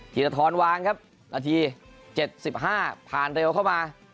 ๕๐ทีละทศวางครับหน้าที่๗๕ผ่านเร็วเข้ามา